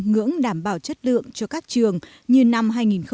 ngưỡng đảm bảo chất lượng cho các trường như năm hai nghìn một mươi chín